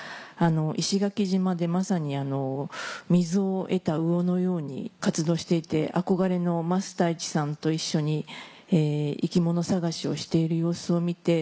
石垣島でまさに水を得た魚のように活動していて憧れの桝太一さんと一緒に生き物探しをしている様子を見て。